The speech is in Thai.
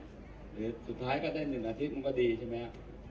หรือสุดท้ายก็ได้๑อาทิตย์มันก็ดีใช่ไหม